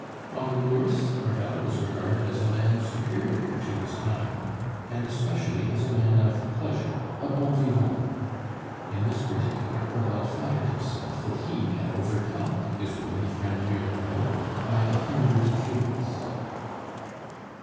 On the Bourse Crevel was regarded as a man superior to his time, and especially as a man of pleasure, a bon vivant. In this particular Crevel flattered himself that he had overtopped his worthy friend Birotteau by a hundred cubits.